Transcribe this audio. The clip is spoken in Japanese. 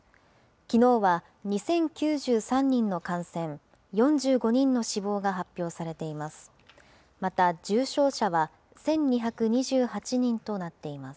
きのうは２０９３人の感染、４５人の死亡が発表されています。